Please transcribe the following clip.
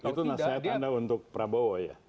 itu nasihat anda untuk prabowo ya